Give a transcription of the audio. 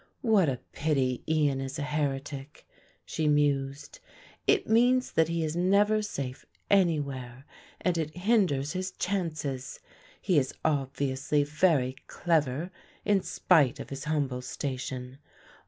"What a pity Ian is a heretic," she mused; "it means that he is never safe anywhere and it hinders his chances. He is obviously very clever in spite of his humble station.